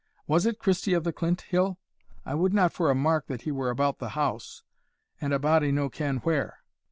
"Was it Christie of the Clint hill? I would not for a mark that he were about the house, and a body no ken whare."